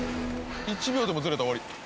１秒でもずれたら終わり。